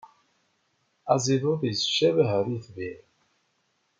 Aziḍud yettcabi ɣer yitbir.